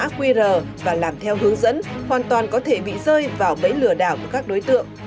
quét qr và làm theo hướng dẫn hoàn toàn có thể bị rơi vào bẫy lừa đảo của các đối tượng